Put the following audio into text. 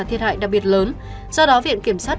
thiệt hại đặc biệt lớn do đó viện kiểm sát